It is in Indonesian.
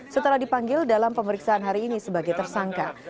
setelah dipanggil dalam pemeriksaan hari ini sebagai tersangka